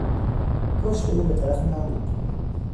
پشت او به طرف من بود.